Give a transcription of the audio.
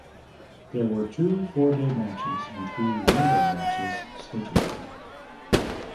There were two four-day matches and three one-day matches scheduled.